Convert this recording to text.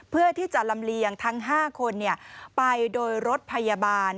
เพื่อที่จะลำเลียงทั้ง๕คนไปโดยรถพยาบาล